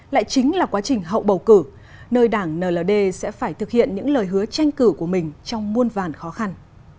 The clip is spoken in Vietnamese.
lại chính là quá trình hậu bầu cử nơi đảng nld sẽ phải thực hiện những lời hứa tranh cử của mình trong muôn vàn khó khăn